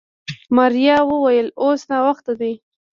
ماريا وويل اوس ناوخته دی.